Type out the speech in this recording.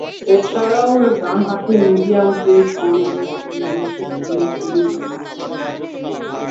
এছাড়াও, ডানহাতে মিডিয়াম-পেস বোলিংয়ে পারদর্শী ছিলেন এরিক মার্ক্স।